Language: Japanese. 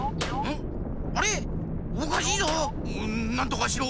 んなんとかしろ！